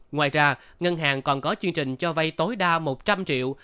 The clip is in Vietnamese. ngoài ra ngân hàng còn có chương trình cho vay tối đa một trăm linh triệu